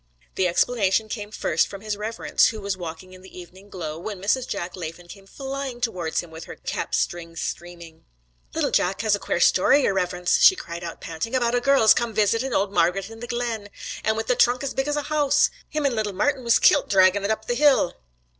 The explanation came first from his Reverence, who was walking in the evening glow, when Mrs. Jack Laffan came flying towards him with her cap strings streaming. 'Little Jack has a quare story, yer Riverince,' she cried out panting, 'about a girl's come visitin' ould Margret in the glen, an' wid a thrunk as big as a house. Him an' little Martin was kilt draggin' it up the hill.'